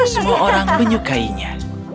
semua orang menyukainya